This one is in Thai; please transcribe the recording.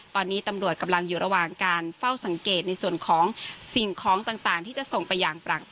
ตอนนี้ตำรวจกำลังอยู่ระหว่างการเฝ้าสังเกตในส่วนของสิ่งของต่างที่จะส่งไปอย่าง